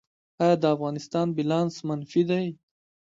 آیا د افغانستان بیلانس منفي دی؟